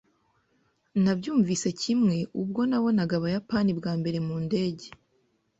Nabyumvise kimwe ubwo nabonaga Ubuyapani bwa mbere mu ndege.